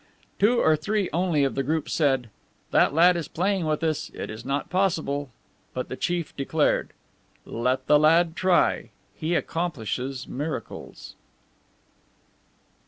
Two or three only of the group said, "That lad is playing with us; it is not possible." But the chief declared: "Let the lad try. He accomplishes miracles."